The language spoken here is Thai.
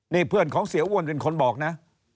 นี่เพื่อนของเสียอ้วนเป็นคนบอกนะ